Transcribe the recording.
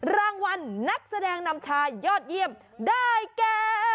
รางวัลนักแสดงนำชายยอดเยี่ยมได้แก่